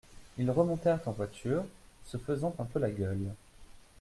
Ils remontèrent en voiture, se faisant un peu la gueule.